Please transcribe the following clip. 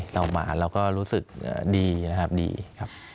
เรามาเราก็รู้สึกดีนะครับดีครับ